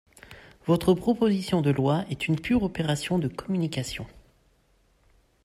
Votre proposition de loi est une pure opération de communication.